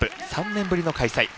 ３年ぶりの開催。